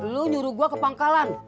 lo nyuruh gue ke pangkalan